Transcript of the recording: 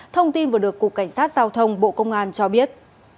thông tin vừa được cục cảnh sát giao thông bộ công an cho biết